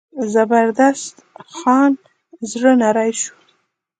زبردست خان زړه نری شو.